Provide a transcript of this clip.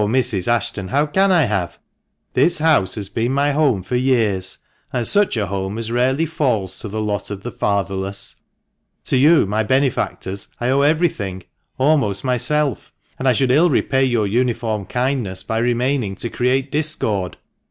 Mrs. Ashton, how can I have ? This house has been my home for years, and such a home as rarely falls to the lot of the fatherless. To you, my benefactors, I owe everything — almost myself; and I should ill repay your uniform kindness by remaining to create discord."